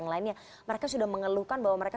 yang lainnya mereka sudah mengeluhkan bahwa mereka